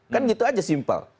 kan gitu aja simpel